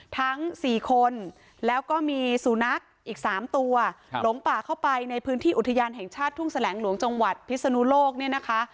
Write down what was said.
ทั้ง๔คนแล้วก็มีสูนักอีก๓ตัวหลงป่าเข้าไปในพื้นที่อุทยานแห่งชาติทุ่งแสลงหลวงจังหวัดพิศนุโลกเนี่ยนะคะ